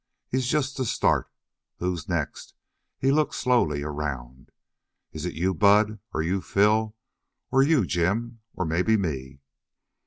He's just the start. Who's next?" He looked slowly around. "Is it you, Bud, or you, Phil, or you, Jim, or maybe me?"